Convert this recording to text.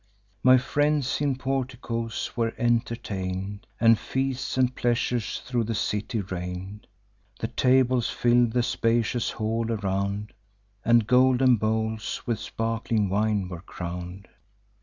My friends in porticoes were entertain'd, And feasts and pleasures thro' the city reign'd. The tables fill'd the spacious hall around, And golden bowls with sparkling wine were crown'd.